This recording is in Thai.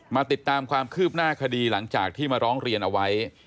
มาติดตามความคืบหน้าคดีหลังจากที่มาร้องเรียนเอาไว้